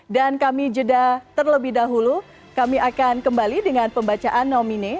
dan kami jeda terlebih dahulu kami akan kembali dengan pembacaan nomine